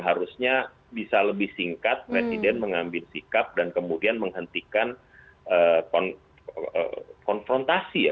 harusnya bisa lebih singkat presiden mengambil sikap dan kemudian menghentikan konfrontasi ya